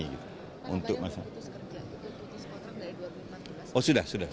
bagaimana putus kerja sudah putus kontrak dari dua ribu lima belas